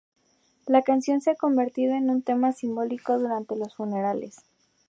La canción se ha convertido en un tema simbólico durante los funerales.